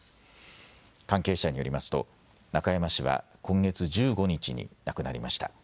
関係者によりますと中山氏は今月１５日に亡くなりました。